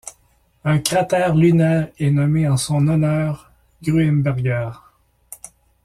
Un cratère lunaire est nommé en son honneur Gruemberger.